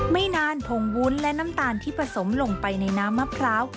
ไม่นานผงวุ้นและน้ำตาลที่ผสมลงไปในน้ำมะพร้าว